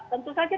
ya tentu saja